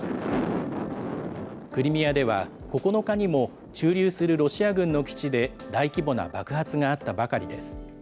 クリミアでは、９日にも駐留するロシア軍の基地で大規模な爆発があったばかりです。